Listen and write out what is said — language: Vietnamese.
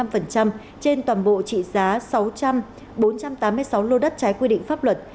phần trăm trên toàn bộ trị giá sáu trăm linh bốn trăm tám mươi sáu lô đất trái quy định pháp luật